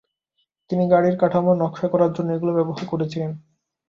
তিনি গাড়ির কাঠামো নকশা করার জন্য এগুলো ব্যবহার করেছিলেন।